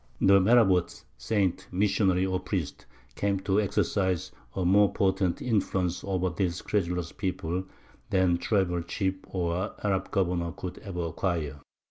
The Marabout saint, missionary, or priest came to exercise a more potent influence over this credulous people than tribal chief or Arab governor could ever acquire.